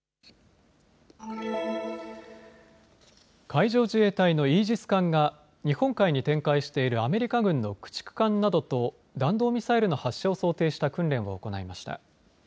海上自衛隊のイージス艦が日本海に展開しているアメリカ軍の駆逐艦などと弾道ミサイルの発射を想定した訓練を行いました。